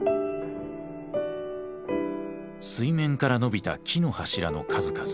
水面から伸びた木の柱の数々。